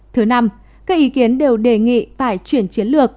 thứ năm các ý kiến đều đề nghị phải chuyển chiến lược